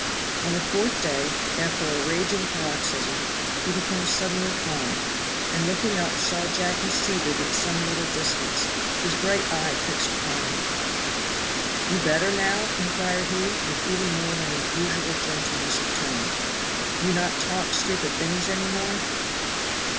On the fourth day after a raging paroxysm he became suddenly calm, and looking up saw Jacky seated at some little distance, his bright eye fixed upon him. "You better now?" inquired he, with even more than his usual gentleness of tone. "You not talk stupid things any more?"